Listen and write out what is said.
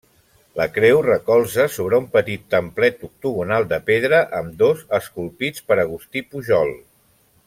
La creu recolza sobre un petit templet octogonal de pedra, ambdós esculpits per Agustí Pujol.